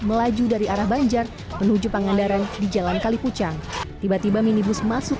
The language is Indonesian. melaju dari arah banjar menuju pangandaran di jalan kalipucang tiba tiba minibus masuk